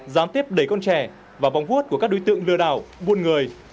gián tiếp đẩy con trẻ vào vòng vuốt của các đối tượng lừa đảo buôn người